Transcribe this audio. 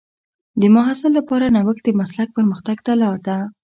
د محصل لپاره نوښت د مسلک پرمختګ ته لار ده.